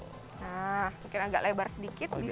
nah mungkin agak lebar sedikit